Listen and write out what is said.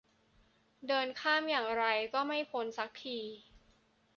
เดินข้ามอย่างไรก็ไม่พ้นสักที